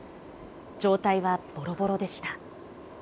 状態はぼろぼろでした。